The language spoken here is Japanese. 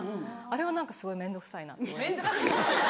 あれは何かすごい面倒くさいなって思います。